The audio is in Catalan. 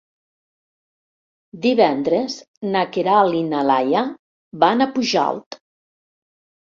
Divendres na Queralt i na Laia van a Pujalt.